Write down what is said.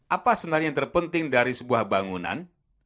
apa sebenarnya yang terpenting dari sebuah bangunan